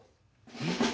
えっ。